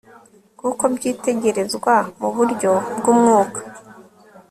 kuko byitegerezwa mu buryo bgUmwuka